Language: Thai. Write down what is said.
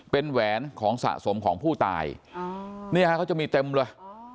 เป็นแหวนของสะสมของผู้ตายเนี่ยฮะเขาจะมีเต็มเลย